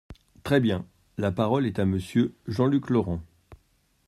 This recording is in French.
Très bien ! La parole est à Monsieur Jean-Luc Laurent.